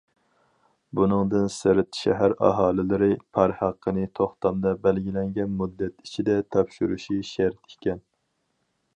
بۇنىڭدىن سىرت، شەھەر ئاھالىلىرى پار ھەققىنى توختامدا بەلگىلەنگەن مۇددەت ئىچىدە تاپشۇرۇشى شەرت ئىكەن.